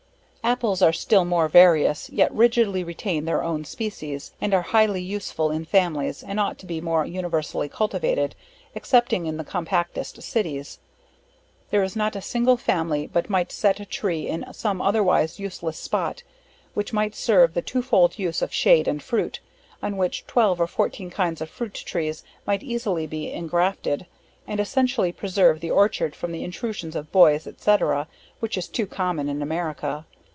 Apples, are still more various, yet rigidly retain their own species, and are highly useful in families, and ought to be more universally cultivated, excepting in the compactest cities. There is not a single family but might set a tree in some otherwise useless spot, which might serve the two fold use of shade and fruit; on which 12 or 14 kinds of fruit trees might easily be engrafted, and essentially preserve the orchard from the intrusions of boys, &c. which is too common in America.